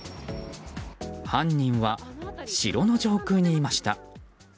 犯人は城の上空にいました。